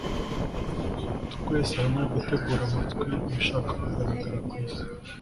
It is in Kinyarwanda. twese hamwe 'gutegera amatwi ibishaka kugaragara ku isi